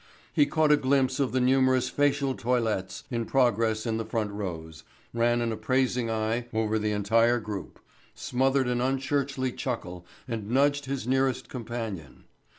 He caught a glimpse of the numerous facial toilettes in progress in the front rows, ran an appraising eye over the entire group; smothered an unchurchly chuckle and nudged his nearest companion.